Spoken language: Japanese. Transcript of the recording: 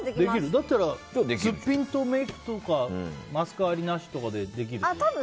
だったらすっぴんとメイクとかマスクあり、なしとかでできるんだ。